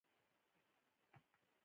باز د پټې حملې مهارت لري